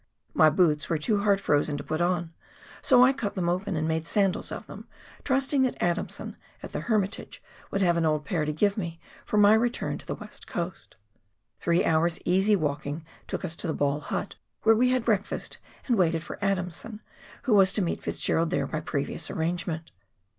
My boots were too hard frozen to put on, so I cut them open and made sandals of them, trusting that Adamson, at the Hermitage, would have an old pair to give me for my return to the "West Coast. Three hours' easy walking took us to the Ball hut, where we had breakfast and waited for Adamson, who was to meet Fitzgerald there by previous arrangement.